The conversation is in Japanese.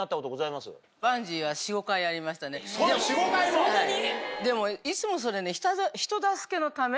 そんな４５回も⁉そんなに！